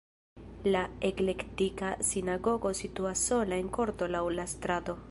La eklektika sinagogo situas sola en korto laŭ la strato.